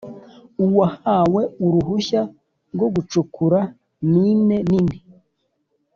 Uwahawe uruhushya rwo gucukura mine nini